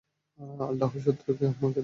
আল্লাহর শত্রুকে আমায় দেখিয়ে দাও।